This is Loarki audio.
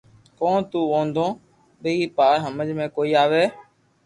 ڪو تو ووندو ٻيئي يار ھمج مي ڪوئي آوي